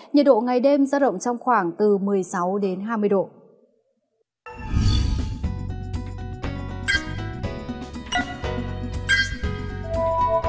nhiệt độ ngày đêm giá rộng trong khoảng từ một mươi sáu hai mươi độ